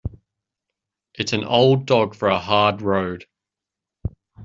It's an old dog for a hard road.